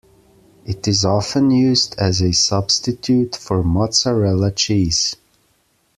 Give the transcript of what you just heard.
It is often used as a substitute for mozzarella cheese.